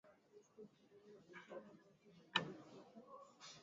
na israel ilivyotangaza hapo awali